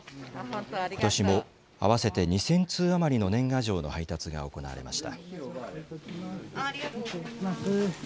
ことしも合わせて２０００通余りの年賀状の配達が行われました。